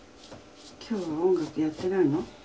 今日は音楽やってないの？